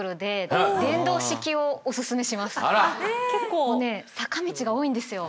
もうね坂道が多いんですよ